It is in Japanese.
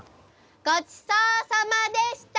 ごちそうさまでした！